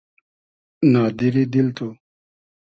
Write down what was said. نادیری دیل تو